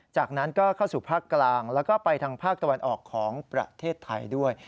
จากนั้นก็เข้าสู่ภาคกลางแล้วก็ไปทางภาคตะวันออกของประเทศไทยด้วย